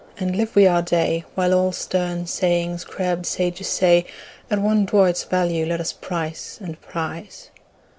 and live we our day, While all stern sayings crabbed sages say, At one doit's value let us price and prize!